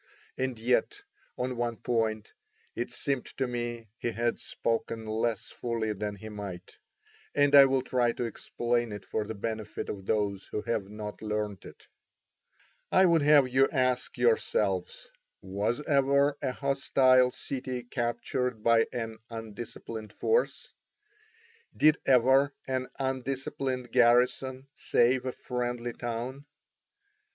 And yet, on one point, it seemed to me he had spoken less fully than he might; and I will try to explain it for the benefit of those who have not learnt it. I would have you ask yourselves, was ever a hostile city captured by an undisciplined force? Did ever an undisciplined garrison save a friendly town?